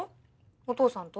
お父さんと？